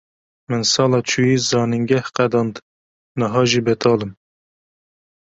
Min sala çûyî zanîngeh qedand, niha jî betal im.